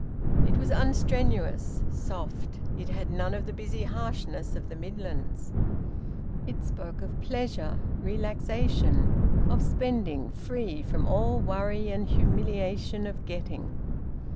It was unstrenuous, soft; it had none of the busy harshness of the Midlands; it spoke of pleasure, relaxation, of spending free from all worry and humiliation of getting.